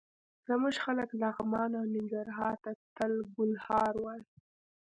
زموږ خلک لغمان او ننګرهار ته د ګل هار وايي.